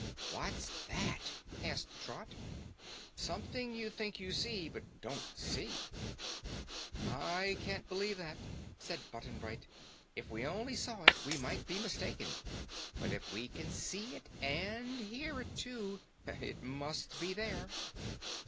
"What's that?" asked Trot. "Something you think you see and don't see." "I can't believe that," said Button Bright. "If we only saw it, we might be mistaken, but if we can see it and hear it, too, it must be there."